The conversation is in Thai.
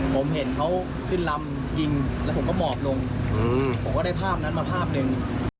ผมเห็นเขาขึ้นลำยิงแล้วผมก็หมอบลงผมก็ได้ภาพนั้นมาภาพหนึ่ง